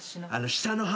下の歯！